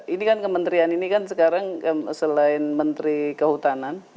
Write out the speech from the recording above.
ini kan kementerian ini kan sekarang selain menteri kehutanan